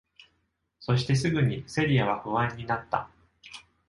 そしてすぐにセリアは不安になった。